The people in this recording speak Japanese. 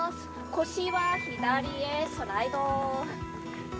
腰は左へスライド。